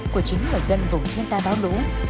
của chính người dân vùng thiên tai báo lũ